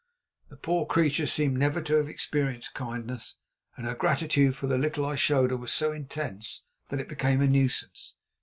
The poor creature seemed never to have experienced kindness, and her gratitude for the little I showed her was so intense that it became a nuisance.